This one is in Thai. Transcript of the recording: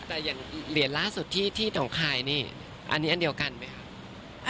แต่อย่างเหรียญล่าสุดที่หนองคายนี่อันนี้อันเดียวกันไหมคะ